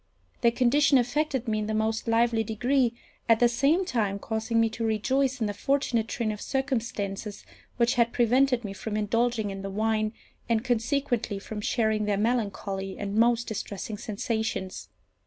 Their condition affected me in the most lively degree, at the same time causing me to rejoice in the fortunate train of circumstances which had prevented me from indulging in the wine, and consequently from sharing their melancholy and most distressing sensations.